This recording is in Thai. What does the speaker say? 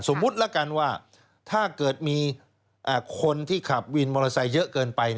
ละกันว่าถ้าเกิดมีคนที่ขับวินมอเตอร์ไซค์เยอะเกินไป